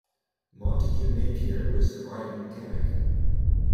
Montague Napier was the riding mechanic.